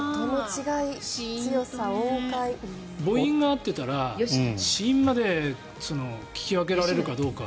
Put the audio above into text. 母音が合ってたら子音まで聞き分けられるかどうか。